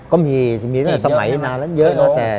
ก็มีมีตั้งแต่สมัยนานแล้วเยอะมากแต่